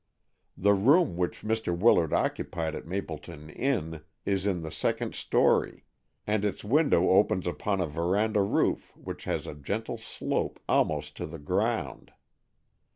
The room which Mr. Willard occupied at Mapleton Inn is in the second story, and its window opens upon a veranda roof which has a gentle slope almost to the ground.